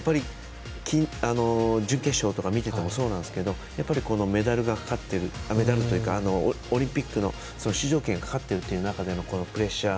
準決勝とか見ててもそうなんですけどメダルがかかってるオリンピックの出場権がかかってるという中でのプレッシャー。